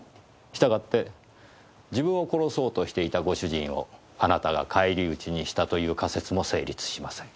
したがって自分を殺そうとしていたご主人をあなたが返り討ちにしたという仮説も成立しません。